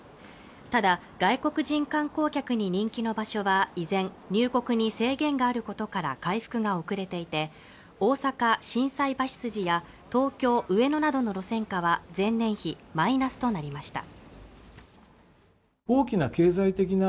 ただ外国人観光客に人気の場所は依然入国に制限があることから回復が遅れていて大阪心斎橋筋や東京上野などの路線価は前年比マイナスとなりました